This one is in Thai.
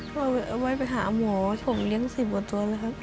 เอาไว้ไปหาหมอผมเลี้ยง๑๐กว่าตัวแล้วครับ